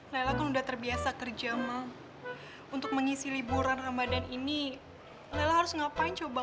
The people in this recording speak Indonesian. lelah udah terbiasa kerja untuk mengisi liburan ramadhan ini harus ngapain coba